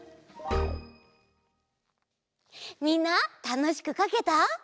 みんなたのしくかけた？